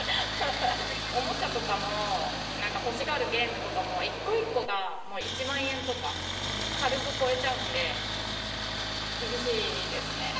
おもちゃとかも、なんか欲しがるゲームとかも一個一個がもう１万円とか、軽く超えちゃうんで、厳しいですね。